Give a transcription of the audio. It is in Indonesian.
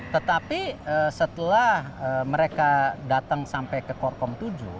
tetapi setelah mereka datang sampai ke korkom tujuh